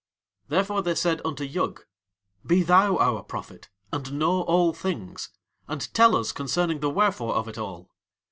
Therefore they said unto Yug: "Be thou our prophet, and know all things, and tell us concerning the wherefore of It All."